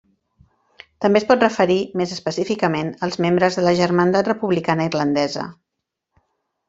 També es pot referir més específicament als membres de la Germandat Republicana Irlandesa.